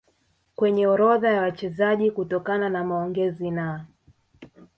kwenye orodha ya wachezaji Kutokana na maongezi na